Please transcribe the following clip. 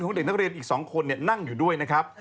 ของเด็กนักเรียนอีก๒คนนั่งอยู่ด้วยนะครับ